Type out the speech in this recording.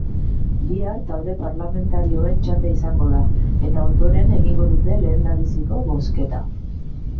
Bihar talde parlamentarioen txanda izango da eta ondoren egingo dute lehendabiziko bozketa.